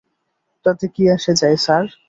তাতে কী আসে যায়, স্যার?